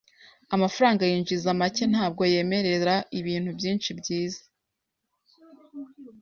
Amafaranga yinjiza make ntabwo yemerera ibintu byinshi byiza .